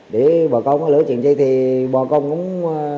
để bà con có lỡ chuyện gì thì bà con cũng